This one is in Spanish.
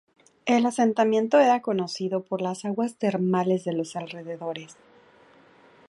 El asentamiento era conocido por las aguas termales de los alrededores.